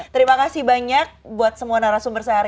terima kasih banyak buat semua narasumber sehari ini